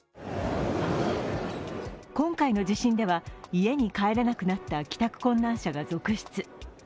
今回の地震では家に帰れなくなった帰宅困難者が続出。